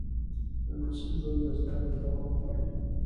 د محصل ژوند د زده کړې دوام غواړي.